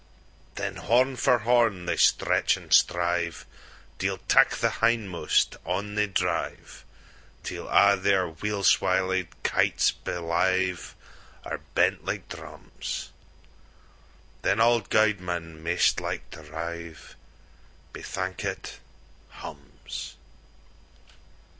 Then, horn for horn, they stretch an' strive:Deil tak the hindmost! on they drive, Till a' their weel swall'd kytes belyveAre bent like drums; Then auld Guidman, maist like to rive, Bethankit! hums.